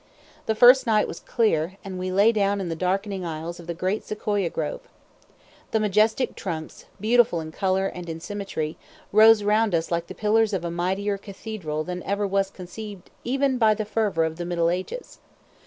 The first night was clear, and we lay down in the darkening aisles of the great Sequoia grove. The majestic trunks, beautiful in color and in symmetry, rose round us like the pillars of a mightier cathedral than ever was conceived even by the fervor of the Middle Ages.